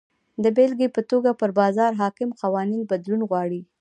د بېلګې په توګه پر بازار حاکم قوانین بدلون غواړي.